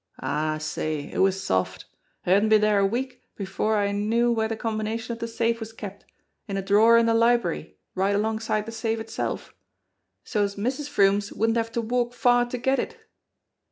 Ah, say, it was soft! 1 hadn't been dere a week before I knew where de combina tion of de safe was kept in a drawer in de library right along side de safe itself so's Mrs. Froomes wouldn't have to walk far to get it